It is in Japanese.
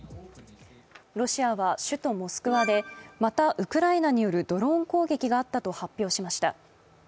ロシアは首都・モスクワでまたウクライナによるドローン攻撃があったと発表しました。